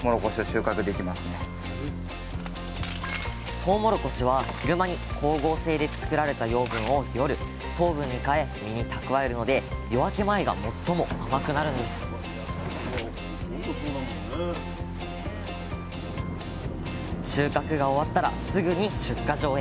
とうもろこしは昼間に光合成で作られた養分を夜糖分に変え実に蓄えるので夜明け前が最も甘くなるんです収穫が終わったらすぐに出荷場へ